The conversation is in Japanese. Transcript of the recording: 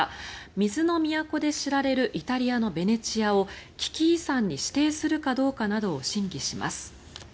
水の都で知られるイタリアのベネチアを危機遺産に指定するかなどを審議します。